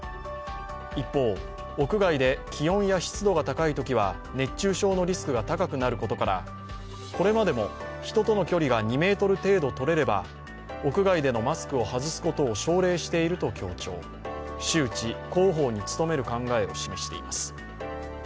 一方、屋外で気温や湿度が高いときは熱中症のリスクが高くなることからこれまでも人との距離が２ｍ程度とれれば、屋外でのマスクを外すことを奨励していると強調、周知、広報に努める考えを示しています。